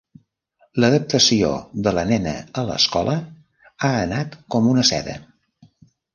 L'adaptació de la nena a l'escola ha anat com una seda.